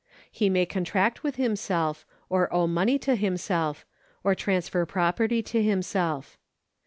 He may contract with himself, or owe money to himself, or transfer property to himself.